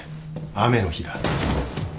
雨の日だ。